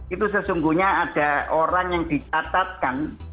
itu sesungguhnya ada orang yang dicatatkan